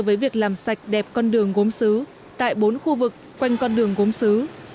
với việc làm sạch đẹp con đường gốm xứ tại bốn khu vực quanh con đường gốm xứ